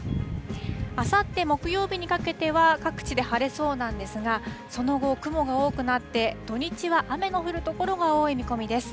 あさって木曜日にかけては、各地で晴れそうなんですが、その後、雲が多くなって、土日は雨の降る所が多い見込みです。